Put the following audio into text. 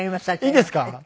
いいですか？